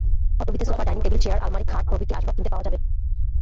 অটবিতে sofa, dining table, chair, আলমারি, খাট প্রভৃতি আসবাব কিনতে পাওয়া যাবে।